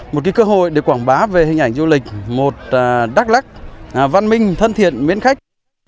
một cơ hội để quảng bá về hình ảnh du lịch một đắk lắc văn minh thân thiện miễn khách